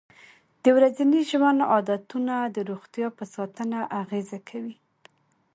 د ورځني ژوند عادتونه د روغتیا په ساتنه اغېزه کوي.